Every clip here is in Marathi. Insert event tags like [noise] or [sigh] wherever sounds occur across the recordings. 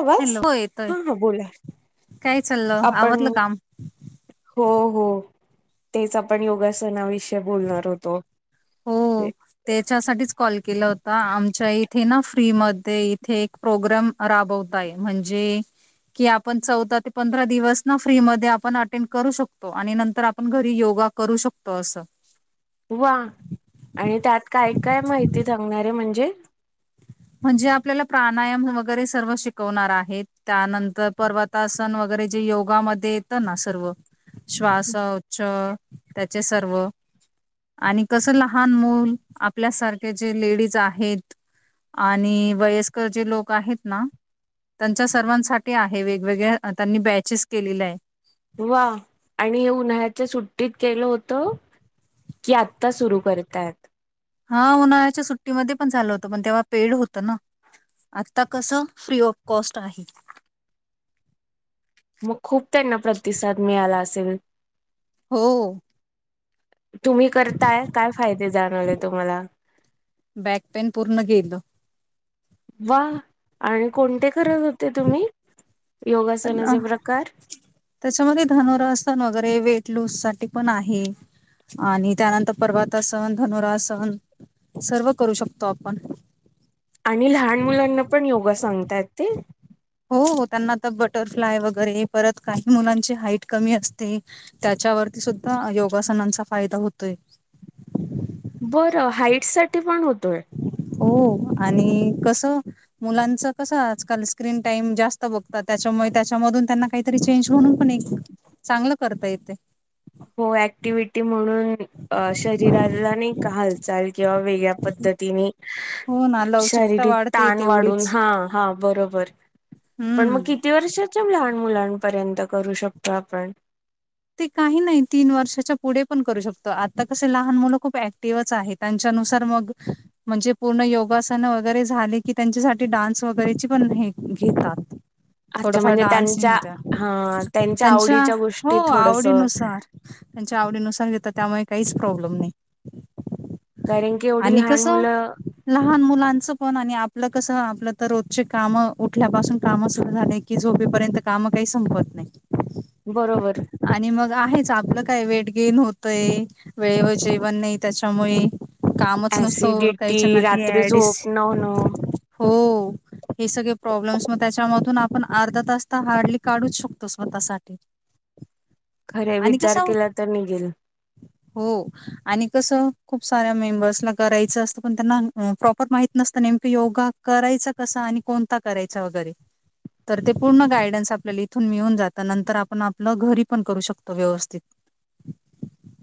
आवाज हॅलो हो येतोय हा हा बोला, काय चाललं आपण आवरलं काम हो हो, तेच आपण योगासनाविषयी बोलणार होतो. हो त्याच्यासाठीच कॉल केला होता आमच्या इथे ना फ्री मध्ये इथे एक प्रोग्राम राबवताय म्हणजे कि आपण चौदा ते पंधरा दिवस ना फ्री मध्ये आपण अटेंड करू शकतो आणि नंतर आपण घरी योगा करू शकतो असं. वा आणि त्यात काय काय माहिती सांगणारे म्हणजे? म्हणजे आपल्याला प्राणायाम वगैरे सर्व शिकवणार आहेत, त्यानंतर पर्वतासन वगैरे जे योगामध्ये येतं ना सर्व श्वासोच्छ् त्याचे सर्व आणि कसं लहान मूल आपल्यासारखे जे लेडीज आहेत आणि वयस्कर जे लोक आहेत ना त्यांच्या सर्वांसाठी आहे. हे वेगवेगळ्या त्यांनी बॅचेस केलेले आहे. वा आणि हे उन्हाळ्याच्या सुट्टीत केलं होतं की आत्ता सुरू करतायत? हा उन्हाळ्याच्या सुट्टीमध्ये पण झालं होतं पण तेव्हा पेड होतं ना. आत्ता कसं फ्री ऑफ कॉस्ट आहे. मग खूप त्यांना प्रतिसाद मिळाला असेल? हो. तुम्ही करताय काय फायदे जाणावले तुम्हाला? बॅक पेन पूर्ण गेलं. वा आणि कोणते करत होते तुम्ही? अला योगासनाचे प्रकार त्याच्यामध्ये धनुरास्थण वगैरे वेट लूज साठी पण आहे. आणि त्यानंतर पर्वतासन, धनुरासन सर्व करू शकतो आपण. आणि लहान मुलांना पण योगा सांगताय ते? हो हो त्यांना तर बटरफ्लाय वगैरे परत काही मुलांची हाईट कमी असते, त्याच्यावरती सुद्धा योगासनांचा फायदा होतोय. बरं हाईट साठी पण होतोय. हो आणि कसं मुलांच कस आजकाल स्क्रीन टाइम जास्त बघतात त्यांच्यामुळे त्याच्यामधून त्यांना काहीतरी चेंज म्हणून पण एक चांगलं करता येतय. हो ऍक्टिव्हटी म्हणून, अ शरीराला नाही का हालचाल किंवा वेगळ्या पद्धतीनी, हो ना लवचिकता शारीरिक वाढते ताण वाढून तेवढीच हा, हा बरोबर. पण मग हम्म किती वर्षाच्या लहान मुलांपर्यंत करू शकतो आपण? ते काही नाही, तीन वर्षाच्या पुढे पण करू शकतो आता कसं लहान मुलं खूप ऍक्टिव्हच आहेत. त्यांच्यानुसार मग, म्हणजे पूर्ण योगासनं वगैरे झाले की, त्यांच्यासाठी डान्स वगैरेची पण हे घेतात. [inaudible] अच्छा म्हणजे डान्सिंग त्यांच्या होत्या हां त्यांच्या आवडीच्या गोष्टी हो थोडस आवडी नुसार सार त्यांच्या आवडीनुसार घेतात त्यामुळे काहीच प्रॉब्लेम नाही. कारण की एवढी आणि लहान कसं मुलं, लहान मुलांचं पण आणि आपलं कसं आपलं तर रोजचे काम उठल्यापासून काम सुरू झाले, कि झोपेपर्यंत कामं काही संपवत नाहीत. बरोबर. आणि मग आहेच आपलं काय वेट गेन होतंय वेळेवर जेवण नाही त्याच्यामुळे, कामच नुसतं उरकायच्या ऍसिडिटी नादी रात्री अडिस... झोप न होणं हो.... हे सगळे प्रॉब्लेम्स मग त्याच्यामधून आपण अर्धा तास तर, हार्डली काढूच शकतो स्वतःसाठी. खरंय आणि विचार कसं केला तर निघेल. [inaudible] हो आणि कसं खूप साऱ्या मेंबर्सला करायचं असतं, पण त्यांना प्रॉपर माहित नसतं नेमकं योगा करायचा कसा आणि कोणता करायचा वगैरे, तर ते पूर्ण गायडन्स आपल्याला इथून मिळून जातं नंतर आपण आप लं घरी पण करू शकतो व्यवस्थित.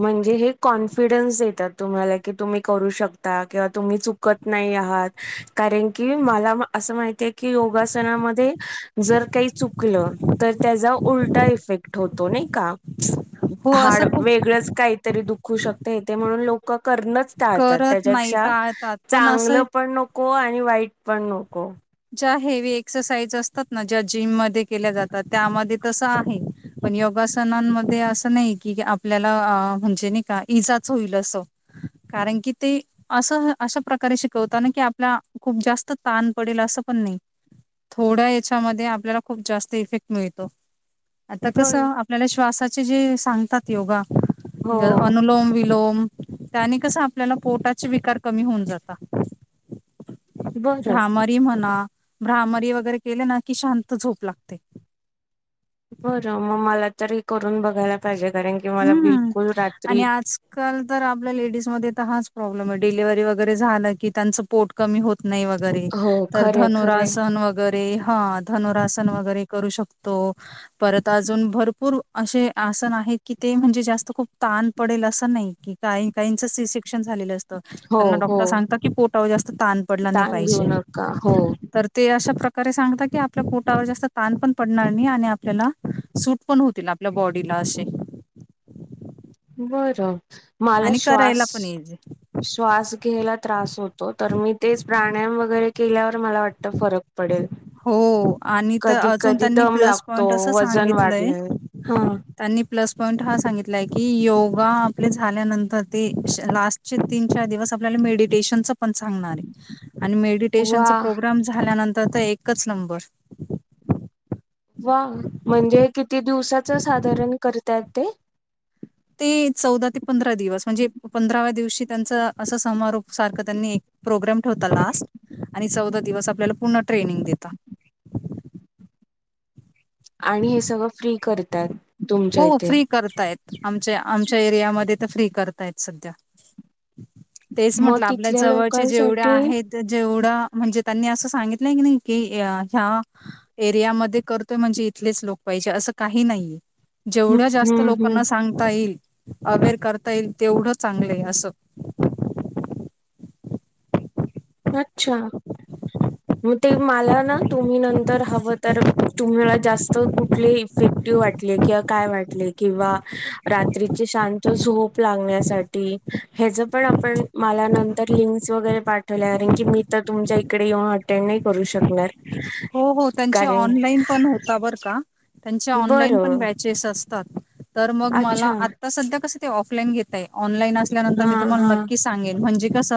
म्हणजे हे कॉन्फिडन्स देतात तुम्हांला की, तुम्ही करू शकता किंवा तुम्ही चुकत नाही आ हात कारण की मला अस माहिती की योगासनामध्ये जर काही चुकलं, तर त्याचा उलटा इफेक्ट होतो नाही का.? हो हाड असं खूप वेगळंच काहीतरी दुखू शकते इथे म्हणून लोक लोकं करणंच टाळतात करत नाही त्याच्यापेक्षा टाळतात पण चांगलं असं पणक को आणि वाईट पण नको. ज्या हेवी एक्सरसाइज असतात ना, ज्या जिम म केल्या जातात त्यामध्ये तस आहे. पण योगासनांमध्ये असं नाही की, आपल्याला म्हणजे नाही का इजाच होईल असं. कारण कि ते असं अशा प्रकारे शिकवताना की आपल्या खूप जास्त ताण पडेल असं पण नाही थोड्या याच्यामध्ये आपल्याला खूप जास्त इफेक्ट मिळतो. आता कसं बर आपल्याला श्वासाचे जे सांगतात योगा हो अनुलोम वलोम. त्यानी कस आपल्याला पोटाचे विकार कमी होऊन जाता. बरं भ्रामरी म्हणा. भ्रामरी वगैरे केले ना की शांत झोप लागते. बरं मग मला तरी करून बघायला पाहिजे कारण की मला हम्म बिलकुल आणि रात्री आज काल तर आपल्या लेडीजमध्ये तर हाच प्रॉब्लेम आहे डिलिव्हरी वगैरे झाला की त्यांचं पोट कमी होत नाही वगैरे हो तर खरे खरे धनुरासन वगैरे ह धनुरासन वगैरे करू शकतो परत अजून भरपूर असे आसन आहेत कि ते म्हणजे जास्त खूप ताण पडेल असं नाही की काही काहीच सीसेक्शन झालेलं अस हो त्यांना हो डॉक्टर सांगत की पोटा जास्त ताण पडला नाही ताण घेऊ पाहिजे नका हो तर ते अशा प्रकारे सांगत की आपल्या पोटावर जास्त ताण पण पडणार नाही आणि आपल्याला सूट पण होतील आपल्या बॉडीला असे बरं मला आणि श्वास करायला पण येईल श्वास घ्यायला त्रास होतो तर मी तेच प्राणायाम वगैरे केल्यावर मला वाटत फरक पडेल. हो आणि तर कधी अजून कधी त्यांनी दम प्लस लागतो पॉईंट असं वजन सांगितलंय वाढलंय हा त्यांनी प्लस पॉईंट हा सांगितलाय की योगा आपले झाल्यानंतर ते लास्ट तीन चार दिवस आपल्याला मेडिटेशनच पण सांगणारय आणि मेडिटेशनच वा प्रोग्राम झाल्यानंतर तर एकच नंबर वा म्हणजे किती दिवसाच साधारण करतायत ते? ते चौदा ते पंधरा दिवस म्हणजे पंधराव्या दिवशी त्यांच असं समारोप सारखं त्यांनी एक प्रोग्राम ठेवता लास्ट आणि चौदा दिवस आपल्याला पूर्ण ट्रेनिंग देता आणि हे सगळं फ्री करतात. तुमच्या हो इथे फ्री करतायत आमच्या आमच्या एरियामध्ये तर फ्री करतायत सध्या तेच मग म्हटलं आपल्या तिथल्या जवळचे जेवढे लोकांसाठी आहेत जेवढा म्हणजे त्यांनी असं सांगितलं की नाही कि ह्या एरियामध्ये करतोय म्हणजे इथलेच लोक पाहिजे असं काही नाहीये जेवढ्या हम्म जास्त हम्म हम्म लोकांना सांगता येईल अबेर करता येईल तेवढं चांगलंय असं. अच्छा मग ते मला ना तुम्ही नंतर हवं तर तुम्हाला जास्त कुठले इफेक्टिव्ह वाटले किंवा काय वाटले किंवा रात्रीची शांत झोप लागण्यासाठी ह्याच पण आपण मला नंतर लिंक्स वगैरे पाठ वा कारण की मी तर तुमच्या इकडे येऊन अटेंड नाही करू शकणार. हो हो त्यांचे कारण ऑनलाईन पण होता बर का त्यांचे ऑनलाईन पण बरं बॅ चेस असतात तर मग अच्छा मला आता सध्या कस ते ऑफलाईन घेत या ऑनलाईन असल्यानंतर हा मी तुम्हाला हा नक्की सांगेन म्हणजे कस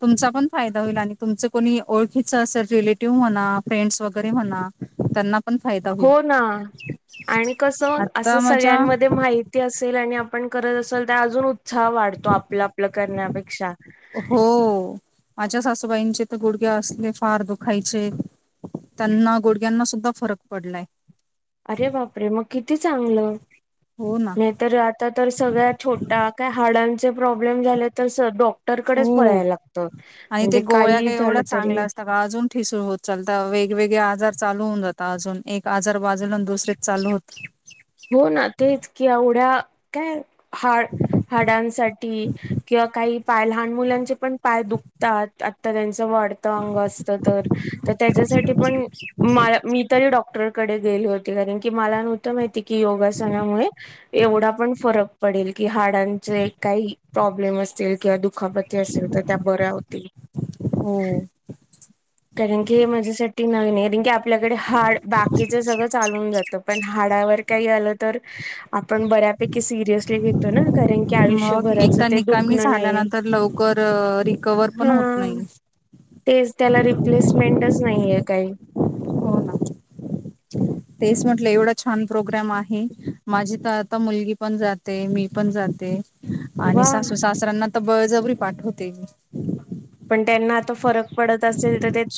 तुमचा पण फायदा होईल आणि तुमच कोणी ओळखीच अस रिलेटिव्ह म्हणा फ्रेंडस वगैरे म्हणा त्यांना पण फायदा होईल हो ना आणि कस असं आता माझ्या सगळ्यांमध्ये माहित ती असेल आणि आपण करत असेल तर अजून उत्साह वाढतो आपलं आपलं करण्यापेक्षा. हो माझ्या सासूबाईंचे तर गुडघे असले फार दुखायचे. त्यांना गुडघ्यांना सुद्धा फरक पडलाय अरे बापरे मग किती चांगलं! हो ना तर आता तर सगळा छोटा काय हाडांचे प्रॉब्लेम झाले तर स डॉ डॉक्टर कडेच हो पळायला लागत म्हणजे काहीही झालं तरी सगळ अजून ठिसुळ होत चालता वेगवेगळे आजार चालू होऊन जात अजून एक आजार बाजूला अन् दुसरे चालू होत. हो ना तेच की एवढ्या काय हाड हाडांसाठी किंवा काही पाय लहान मुलांचे पण पाय दुखतात त्यांच वाढतं अंग असत तर, तर त्याच्यासाठी पण म मी तरी डॉक्टर कडे गेली होती कारण की मला नव्हत माहिती कि योगासनामुळे एवढा पण फरक पडेल कि हाडांचे काही प्रॉब्लेम असतील किंवा दुखापती असेल तर त्या बऱ्या होतील. हो कारण की माझ्यासाठी नवीन आहे [unintelligible] आपल्याकडे हाड बाकीच सगळं चालून जात पण हाडावर काही आलं तर आपण बऱ्यापैकी सिरियसली घेतो ना कारण की आयुष्यभराचं ते दुखणं नाही तर लवकर रिकवर पण हा होत नाही तेच त्याला रिप्लेसमेंटच नाहीय काही हो ना तेच म्हटलं एवढा छान प्रोग्राम आहे माझी तर आता मुलगी पण जात ते मी पण जाते आणि वा सासू सासरांना तर बळजबरी पाठवते. पण त्यांना तो फरक पडत असेल तर तेच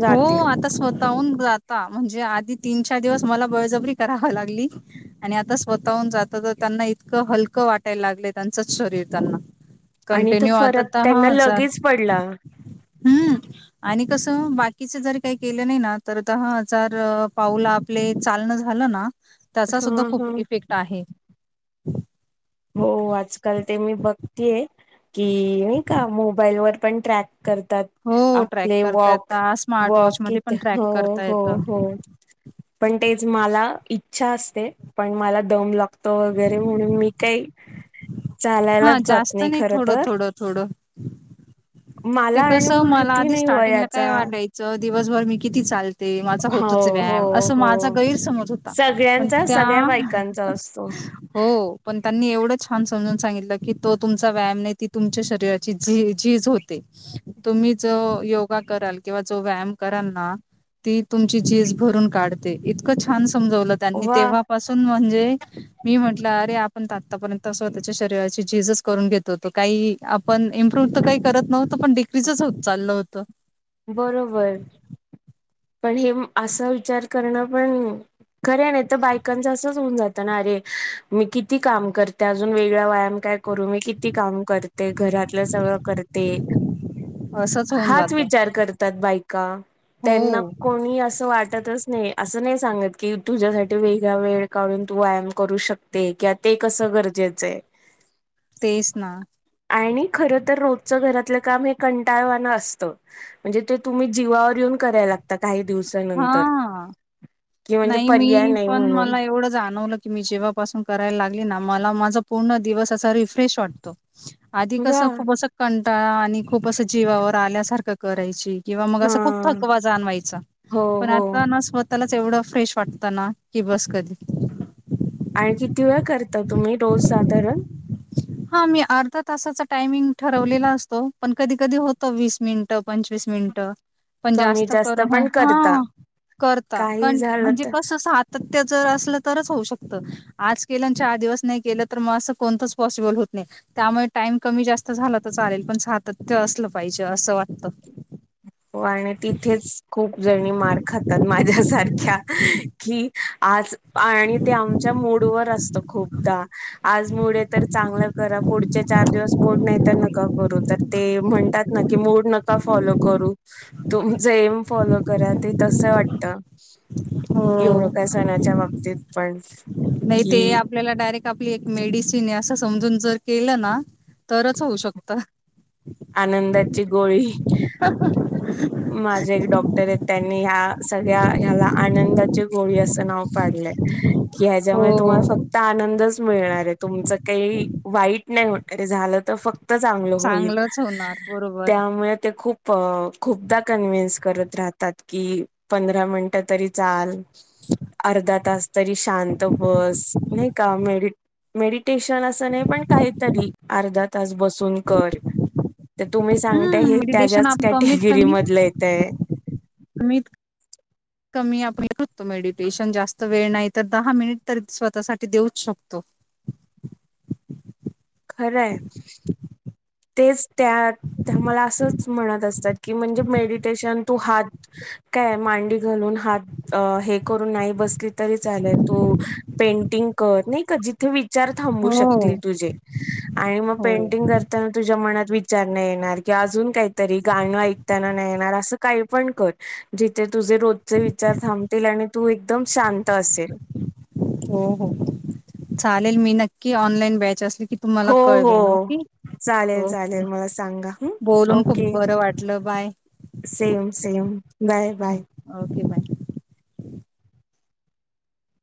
हो आता स्वतःहून जाता म्हणजे आधी तीन चार दिवस मला बळजबरी कराव लागली आणि आता स्वतःहून जात तर त्यांना इतकं हलकं वाटायला लागलं त्यांचंच शरीर त्यांना आणि तो कंटिन्यू आता फरक तर हा त्यांना आजार लगेच पडला हम्म आणि कसं बाकी कीच जरी काही केलं नाही ना तर दहा हजार पाऊल आपले चालणं झालं ना त्याचा सुद्धा हा खूप हा इफेक्ट आहे. हो आजकाल ते मी बघतेय की नाही का मोबाईलवर पण ट्रॅक करतात हो ट्रॅक आपले करता वॉक, येत स्मार्ट वॉच वॉक मध्ये किती पण ट्रॅक हो करता हो येतं हो पण तेच मला इच्छा असते पण मला दम लागतो वगैरे म्हणून मी काही हा चालायलाच जात जास्त नाही खर थोडं तर थोडं थोडं. ते मला आणि कसं मला माहिती आधी नाही स्टार्टिंगला काय वयाचा वाटायचं दिवसभर मी किती चाल ते माझा हो होतोच आहे हो व्यायाम असं हो माझा गैरसमज होता पण सगळ्यांचा त्या सगळ्या बायकांचा असतो हो पण त्यांनी एवढं छान समजून सांगितलं की तो तुमचा व्यायाम नाही ती तुमच्या शरीराची झी झीज होते तुम्ही जो योगा कराल किंवा जो व्यायाम कराल ना ती तुमची झीज भरून काढते इतकं छान समजवलं त्यांनी वा तेव्हापासून म्हणजे मी म्हटलं अरे आपण आत्तापर्यंत स्वतःच्या शरीराची झीजच करून घेत होतो काही आपण इम्प्रूव्ह तर काही करत नव्हतो पण डिग्रीज च होत चाललो होतो बरोबर पण हे असा विचार करणं पण खरंय नाही तर बायकांचं असंच होऊन जातं ना अरे मी किती काम करते अजून वेगळा व्यायाम काय करू मी किती काम करते घरातलं सगळं करते असंच होऊन हाच जात. विचार करतात बायका त्यांना कोणी अस वाटतच नाही, असं नाही सांगत की तुझ्यासाठी वेगळा वेळ काढून तू व्यायाम करू शक ते की, ते कसं गरजेचंय? तेच ना. आणि खरं तर, रोजचं घरातलं काम हे कंटाळवाणं असतं. म्हणजे, ते तुम्ही जीवावर येऊन कराय लागता काही दिवस. हा, नाही. पर्याय मी नाही पण म्हणून मला एवढं जाणवलं. की मी जेव्हापासून करायला लागली ना, मला माझा पूर्ण दिवस असा रिफ्रेश वाटतो. आधी वा कसं, खूप असं कंटाळा आणि खूप असं जीवावर आल्यासारखं करायची. किंवा मग हा असं, खूप थकवा जाणवायंचा. हो पण हो आता स्वतःलाच एवढं फ्रेश वाटतं ना की बस, कधी आणि किती वेळ करता तुम्ही रोज, साधारण? [inaudible] हा, मी अर्धा तासाचा टायमिंग ठरवलेला असतो. पण कधी-कधी होत वीस मिनटं-पंचवीस मिनटं. पण कमी जास्त करून हा, पण करता हा करता, काही पण झालं म्हणजे तर कसं त्याचं जर असलं तरच होऊ शकतं. आज केलं, चार दिवस नाही केलं, तर मग असं कोणतच पॉसिबल होत नाही. त्यामुळे टाइम कमी-जास्त झाला तर चालेल, पण सातत्य असलं पाहिजे, असं वाटतं. [unintelligible] हो, आणि तिथेच खूप जणी मार खातात माझ्यासारख्या की. आज आणि ते आमच्या मूडवर असतं. खूपदा आज मुळे तर चांगलं कर. पुढचे चार दिवस मुड नाही, तर नका करू तर ते म्हणतात ना, की मुड नका फॉलो करू. तुमचं एम फॉलो करा. ते तसं वाटतं एवढं काय? सणाच्या बाबतीत पण? नाही, ते कि आपल्याला डायरेक्ट आपली एक मेडिसिन आहे असं समजून जर केलं ना, तरच होऊ शकतं. आनंदाची गोळी. माझे एक डॉक्टर आहेत त्यांनी ह्या सगळ्या ह्याला आनंदाचे गोळी असं नाव पाडलेय. कि ह्याच्यामुळे तुम्हाला हो. फक्त आनंदच मिळणार आहे. तुमच काही वाईट नाहीे झालं तर फक्त चांगलं होईल, चांगलंच होणार बरोबर त्यामुळे ते खूप खूपदा कन्व्हिन्स करत राहतात की, पंधरा मिनिटं तरी चाल. अर्धा तास तरी शांत बस. नाही का? मेड मेडिटेशन असं नाही, पण काहीतरी अर्धा तास बसून कर. [inaudible] तर तुम्ही सांगताय, हम्म हे मेडिटेशन त्याच्याच आप कॅटेगरी मधलं येतंय. अमित कमी आपण करतो. मेडिटेशन जास्त वेळ नाही तर दहा मिनिट तरी स्वतःसाठी देऊच शकतो. खरंय. तेच, त्या मला असंच म्हणत असतात की, म्हणजे मेडिटेशन टू हार्ड काय, मांडी घालून? हे करून नाही बसली तरी चालेल. तू पेंटिंग कर, नाही का, जित विचार थांबू हो शकतील तुझे आणि मग हो. पेंटिंग कर. त्यानं तुझ्या मनात विचार नाही, येणार किंवा अजून काहीतरी गाणं ऐकताना नाही येणार, असं काही पण कर. जिथे तुझे रोजचे विचार थांबतील आणि तू एकदम शांत असेल. हो-हो, चालेल. मी नक्की ऑनलाईन बॅच असली की तुम्हाला हो हो कळवेल ओके चालेल ओके चालेल मला सांगा हं, बोलून खूप ओके बरं वाटलं bye. Same same bye bye. Okay bye.